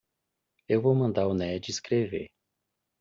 Eu vou mandar o Ned escrever.